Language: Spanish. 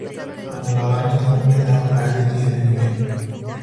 Cuando la barra está completa, aparece el siguiente nivel.